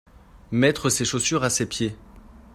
Mettre ses chaussures à ses pieds.